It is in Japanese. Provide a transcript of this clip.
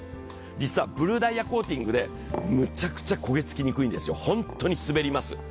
実はブルーダイヤコーティングでむちゃくちゃ焦げにくいんですよ、ホントに滑ります。